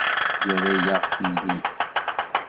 Yerra-yaɣ tili.